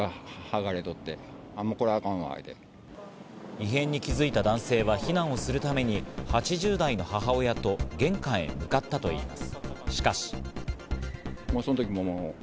異変に気づいた男性は避難をするために８０代の母親と玄関へ向かったといいます。